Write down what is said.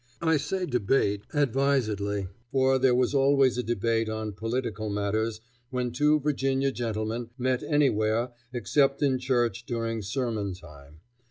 I say debate advisedly, for there was always a debate on political matters when two Virginia gentlemen met anywhere except in church during sermon time.